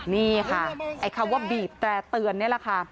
นี่ค่ะไอ้คำว่าบีบแตร่เตือนนี่แหละค่ะ